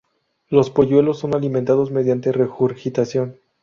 Los polluelos son alimentados mediante regurgitación.